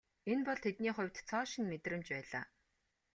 Энэ бол тэдний хувьд цоо шинэ мэдрэмж байлаа.